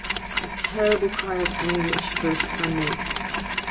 A terrible cry of anguish burst from me.